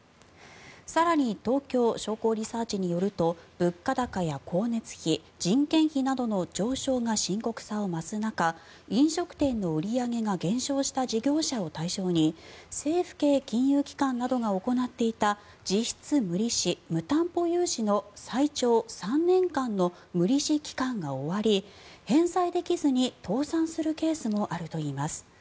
更に、東京商工リサーチによると物価高や光熱費、人件費などの上昇が深刻さを増す中飲食店の売り上げが減少した事業者を対象に政府系金融機関などが行っていた実質無利子・無担保融資の最長３年間の無利子期間が終わり返済できずに倒産するケースもあるといいます。